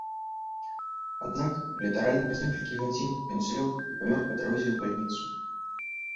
Аднак літаральна праз некалькі гадзін ён злёг і памёр па дарозе ў бальніцу.